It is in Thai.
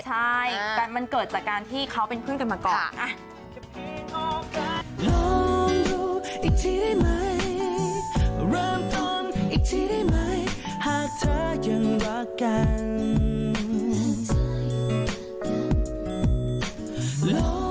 ใช่แต่มันเกิดจากการที่เขาเป็นเพื่อนกันมาก่อน